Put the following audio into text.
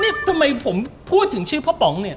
นี่ทำไมผมพูดถึงชื่อพ่อป๋องเนี่ย